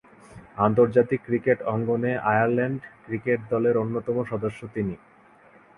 আন্তর্জাতিক ক্রিকেট অঙ্গনে Ireland cricket দলের অন্যতম সদস্য তিনি।